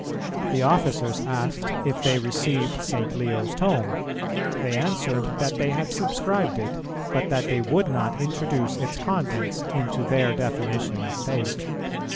The officers asked if they received St. Leo's Tome; they answered that they had subscribed it, but that they would not introduce its contents into their definition of faith.